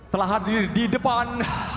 telah hadir di depan